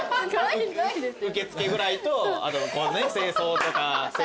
受付ぐらいとあと清掃とか整理とかね。